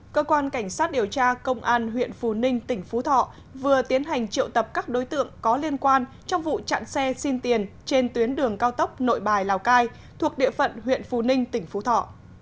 cơ quan cảnh sát điều tra công an huyện phù ninh tỉnh phú thọ vừa tiến hành triệu tập các đối tượng có liên quan trong vụ chặn xe xin tiền trên tuyến đường cao tốc nội bài lào cai thuộc địa phận huyện phù ninh tỉnh phú thọ